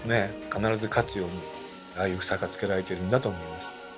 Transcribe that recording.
必ず勝つようにああいう房がつけられているんだと思います。